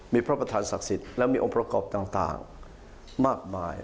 มีพระประธานศักดิ์สิทธิ์และมีองค์ประกอบต่างมากมาย